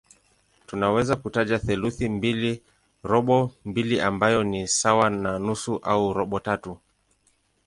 Tunaweza kutaja theluthi mbili, robo mbili ambayo ni sawa na nusu au robo tatu.